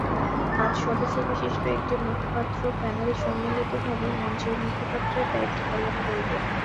পাঁচ সদস্যবিশিষ্ট একটি মুখপাত্র প্যানেল সম্মিলিতভাবে মঞ্চের মুখপাত্রের দায়িত্ব পালন করবেন।